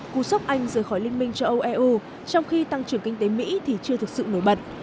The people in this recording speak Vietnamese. cú sốc anh rời khỏi liên minh châu âu eu trong khi tăng trưởng kinh tế mỹ thì chưa thực sự nổi bật